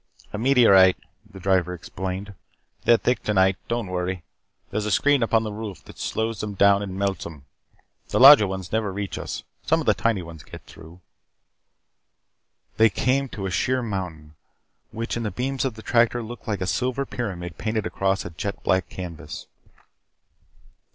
"A meteorite," the driver explained. "They're thick tonight. Don't worry. There's a screen upon the roof that slows them down and melts 'em. The larger ones never reach us. Some of the tiny ones get through." They came to a sheer mountain which in the beams of the tractor looked like a silver pyramid painted across a jet black canvas.